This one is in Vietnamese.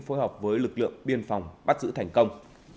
phối hợp với lực lượng biên phòng bắt giữ thành công